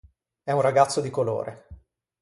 È un ragazzo di colore.